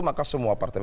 maka semua partai